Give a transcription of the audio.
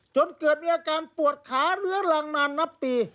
จนเกิดมีอาการปวดขาเรื้อรังนานนับปี